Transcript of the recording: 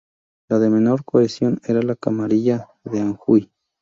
La de menor cohesión era la camarilla de Anhui.